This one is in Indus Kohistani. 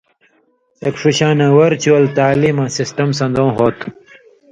اېک ݜُو شاناں ورچوئل تعلیماں سسٹم سندؤں ہو تُھو